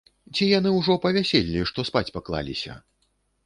Ці яны ўжо па вяселлі, што спаць паклаліся?